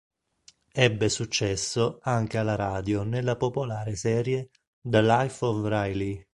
Ebbe successo anche alla radio nella popolare serie "The Life of Riley".